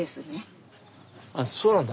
あっそうなんだ。